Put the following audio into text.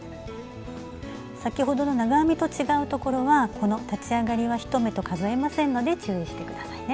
先ほどの長編みと違うところはこの立ち上がりは１目と数えませんので注意して下さいね。